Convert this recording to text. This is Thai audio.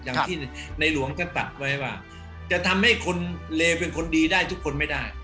อย่างที่ในหลวงก็ตัดไว้ว่าจะทำให้คนเลเป็นคนดีได้ทุกคนไม่ได้